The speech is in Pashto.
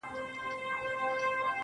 څه یې مسجد دی څه یې آذان دی~